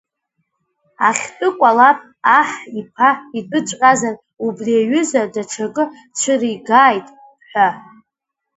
Ахьтәы кәалаԥ аҳ иԥа итәыҵәҟьазар, убри аҩыза даҽакы цәыригааит ҳәа.